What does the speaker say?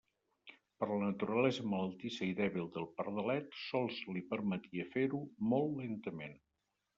Però la naturalesa malaltissa i dèbil del pardalet sols li permetia fer-ho molt lentament.